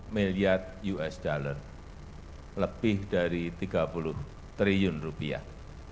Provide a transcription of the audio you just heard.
tiga puluh miliar usd lebih dari tiga puluh triliun rupiah